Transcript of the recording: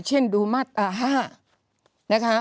เช่นดูมาตราห้า